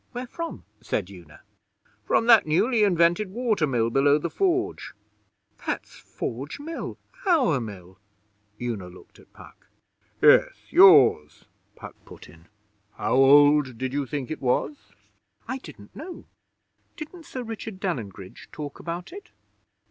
Where from?' said Una. 'From that newly invented water mill below the Forge.' 'That's Forge Mill our Mill!' Una looked at Puck. 'Yes; yours,' Puck put in. 'How old did you think it was?' 'I don't know. Didn't Sir Richard Dalyngridge talk about it?'